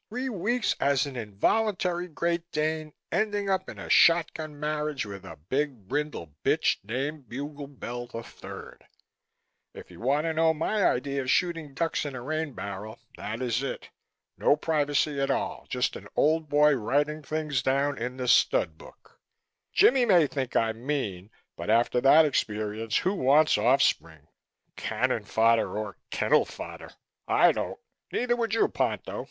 Three weeks as an involuntary Great Dane, ending up in a shot gun marriage with a big brindle bitch named Buglebell III! If you want to know my idea of shooting ducks in a rain barrel, that is it. No privacy at all. Just an old boy writing things down in the stud book. Jimmie may think I'm mean but after that experience who wants off spring, cannon fodder or kennel fodder? I don't. Neither would you, Ponto.